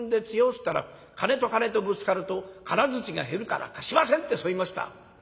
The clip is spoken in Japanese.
つったら『金と金とぶつかると金づちが減るから貸しません』ってそう言いました」。